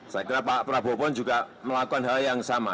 saya kira pak prabowo pun juga melakukan hal yang sama